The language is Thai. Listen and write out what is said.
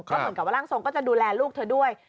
ก็เหมือนกับว่าร่างทรงก็จะดูแลลูกเธอด้วย